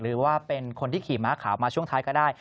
หรือว่าเป็นคนที่ขี่ม้าขาวมาช่วงท้ายก็ได้